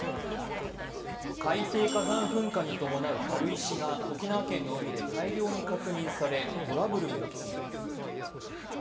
海底火山噴火に伴う軽石が沖縄県の海で大量に確認され、トラブルも起きています。